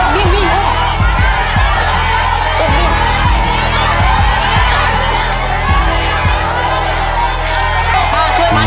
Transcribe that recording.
นี่ครับแค่ไหน